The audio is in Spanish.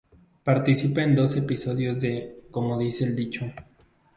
Participa en dos episodios de "Como dice el dicho".